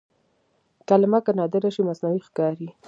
کلمه که نادره شي مصنوعي ښکاري.